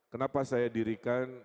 kenapa saya dirikan